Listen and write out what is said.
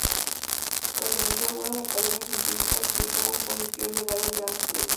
Perteneció a algunas academias científicas y estuvo en posesión de varias grandes cruces.